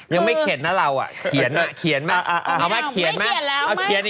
ยังไม่เข็นเนอะเราเขียนมาเหรอ